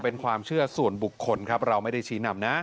เป็นความเชื่อส่วนบุคคลครับเราไม่ได้ชี้นำนะ